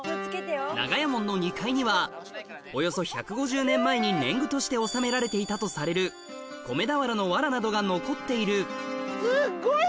長屋門の２階にはおよそ１５０年前に年貢として納められていたとされる米俵の藁などが残っている